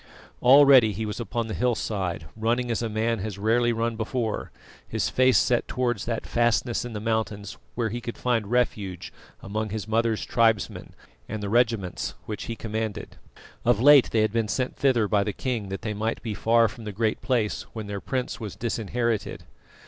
Already he was upon the hillside, running as a man has rarely run before his face set towards that fastness in the mountains where he could find refuge among his mother's tribesmen and the regiments which he commanded. Of late they had been sent thither by the king that they might be far from the Great Place when their prince was disinherited.